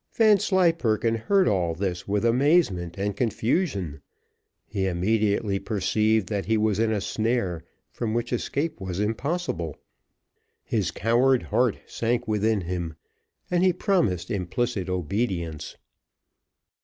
Vanslyperken heard all this with amazement and confusion: he immediately perceived that he was in a snare, from which escape was impossible. His coward heart sank within him, and he promised implicit obedience.